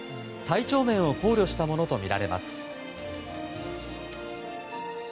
体調面を考慮したものとみられます。